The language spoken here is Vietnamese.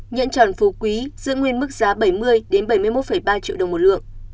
nhẫn tròn phú quý giữ nguyên mức giá bảy mươi bảy mươi một ba triệu đồng một lượng